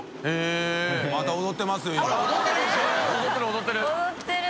踊ってる！